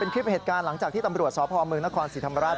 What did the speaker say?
คลิปเหตุการณ์หลังจากที่ตำรวจสพเมืองนครศรีธรรมราช